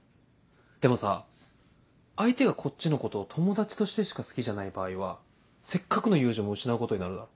でもさ相手がこっちのことを友達としてしか好きじゃない場合はせっかくの友情も失うことになるだろ。